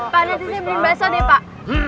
pak netizen beliin baso deh pak